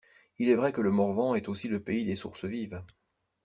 Il est vrai que le Morvan est aussi le pays des sources vives.